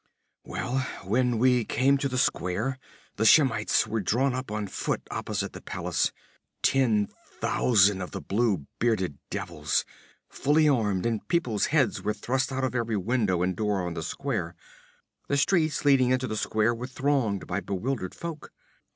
'Well, when we came to the square the Shemites were drawn up on foot opposite the palace, ten thousand of the blue bearded devils, fully armed, and people's heads were thrust out of every window and door on the square. The streets leading into the square were thronged by bewildered folk.